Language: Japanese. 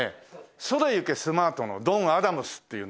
『それ行けスマート』のドン・アダムスっていうんです。